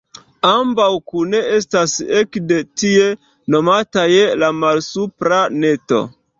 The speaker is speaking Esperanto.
Ambaŭ kune estas ekde tie nomataj la Malsupra Neto.